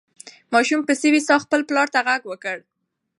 ماشوم په سوې ساه خپل پلار ته غږ وکړ.